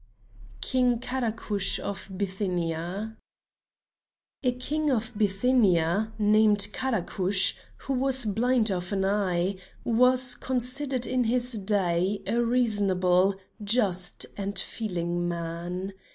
KING KARA KUSH OF BITHYNIA A King of Bithynia, named Kara kush, who was blind of an eye, was considered in his day a reasonable, just, and feeling man.